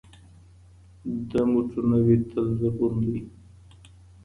د مټو نه وي تل زبون دی